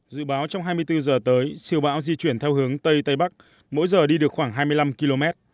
dự báo trong hai mươi bốn giờ tới siêu bão di chuyển theo hướng tây tây bắc mỗi giờ đi được khoảng hai mươi năm km